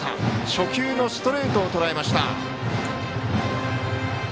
初球のストレートをとらえました。